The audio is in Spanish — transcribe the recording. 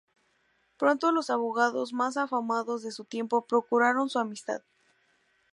Pronto los abogados más afamados de su tiempo procuraron su amistad.